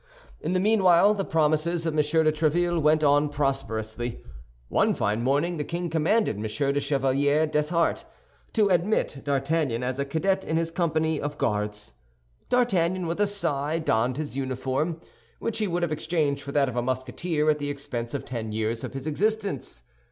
In the meanwhile the promises of M. de Tréville went on prosperously. One fine morning the king commanded M. de Chevalier Dessessart to admit D'Artagnan as a cadet in his company of Guards. D'Artagnan, with a sigh, donned his uniform, which he would have exchanged for that of a Musketeer at the expense of ten years of his existence.